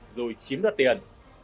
rồi chiếm đặt tiền